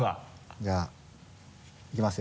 じゃあいきますよ？